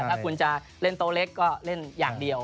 ถ้าคุณจะเล่นโต๊ะเล็กก็เล่นอย่างเดียว